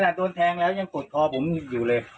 โดนแทงแล้วยังกดคอผมอยู่เลย